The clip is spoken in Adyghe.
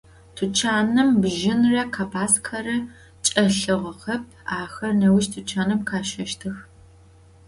Tuçanım bjınre khebaskhere çç'elhığexep, axer nêuş tuçanım khaşeştıx.